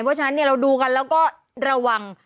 เพราะฉะนั้นเราดูกันแล้วก็ระวัง